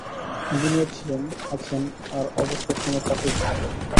Engineer ছিলেন, আছেন, আর অবসর সময়ে চাকরি খুঁজতে থাকেন।